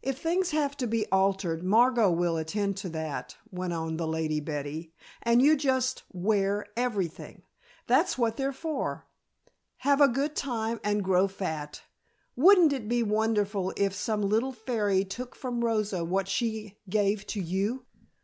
"If things have to be altered Margot will attend to that," went on the Lady Betty, "and you just wear everything. That's what they're for. Have a good time and grow fat! Wouldn't it be wonderful if some little fairy took from Rosa what she gave to you?"